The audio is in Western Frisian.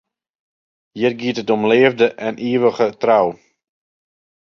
Hjir giet it om leafde en ivige trou.